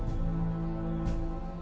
aku mau pulang